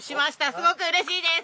すごく嬉しいです。